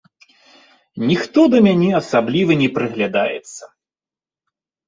Ніхто да мяне асабліва не прыглядаецца.